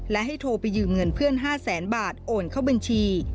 และให้โทรไปยืมเงินเพื่อน๕แสนบาทโอนเข้าบัญชี